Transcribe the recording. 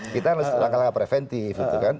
kita harus laka laka preventif gitu kan